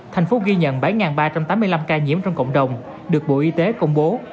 thành phố ghi nhận bảy ba trăm tám mươi năm ca nhiễm trong cộng đồng được bộ y tế công bố